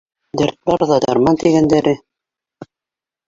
— Дәрт бар ҙа, дарман тигәндәре...